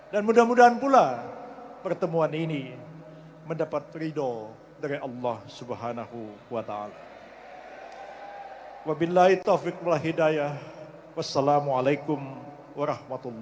dan mudah mudahan pula pertemuan ini mendapatkan kemampuan yang sangat penting untuk kita semua